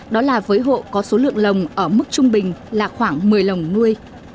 đó là với hộ có số lượng lồng ở mức trung bình là khoảng một mươi lồng nuôi